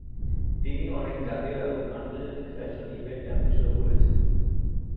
তিনি অনেক জাতীয় এবং আন্তর্জাতিক ফ্যাশন ইভেন্ট এবং শো করেছেন।